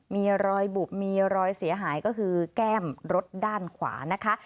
มีรอยบุบมีรอยเสียหายก็คือแก้มรถด้านขวานะคะ